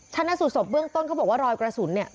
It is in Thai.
ชนะสูตรศพเบื้องต้นเขาบอกว่ารอยกระสุนเนี่ย